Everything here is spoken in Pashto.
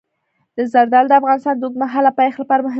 زردالو د افغانستان د اوږدمهاله پایښت لپاره مهم رول لري.